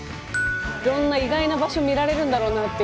いろんな意外な場所見られるんだろうなっていう。